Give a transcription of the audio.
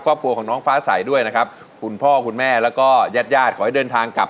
ครอบครัวของน้องฟ้าใสด้วยนะครับคุณพ่อคุณแม่แล้วก็ญาติญาติขอให้เดินทางกลับ